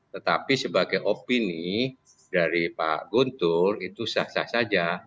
tetapi sebagai opini dari pak guntur itu sah sah saja